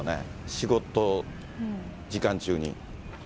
仕事時間中に。